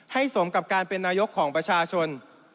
สมกับการเป็นนายกของประชาชน